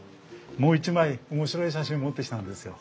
もう一枚面白い写真持ってきたんですよ。